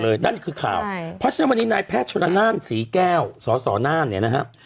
เต็มไปหมดเลยนั่นคือข่าววันนี้นายแพทย์ชนานสีแก้วสสนานเนี่ยนะครับ